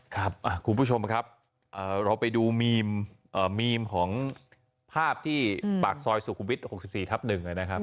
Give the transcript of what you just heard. ครับคุณผู้ชมครับเราไปดูมีมของภาพที่ปากซอยสุขุมวิทย์๖๔ทับ๑นะครับ